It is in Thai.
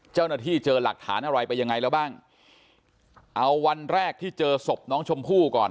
เจ้าหน้าที่เจอหลักฐานอะไรไปยังไงแล้วบ้างเอาวันแรกที่เจอศพน้องชมพู่ก่อน